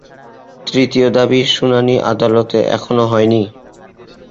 তৃতীয় দাবির শুনানি আদালতে এখনো হয়নি।